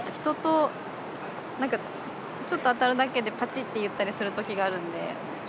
人となんかちょっと当たるだけで、ぱちっといったりするときがあるんで。